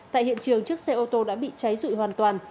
tại hiện trường trước xe ô tô đã bị cháy dụi hoàn toàn